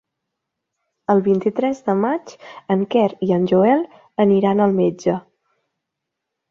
El vint-i-tres de maig en Quer i en Joel aniran al metge.